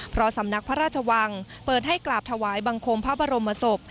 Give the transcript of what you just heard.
เพราะสำนักพระราชวังเปิดให้กราบถวายบังคมพระบรมศพ